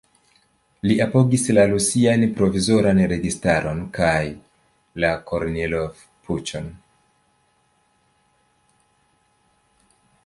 Li apogis la Rusian provizoran registaron kaj la Kornilov-puĉon.